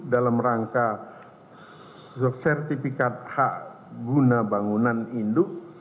dalam rangka sertifikat hak guna bangunan in look